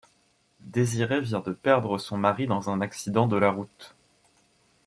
Désirée vient de perdre son mari dans un accident de la route.